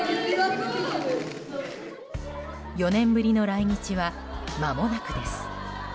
４年ぶりの来日はまもなくです。